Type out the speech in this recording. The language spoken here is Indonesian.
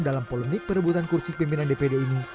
dalam polemik perebutan kursi pimpinan dpd ini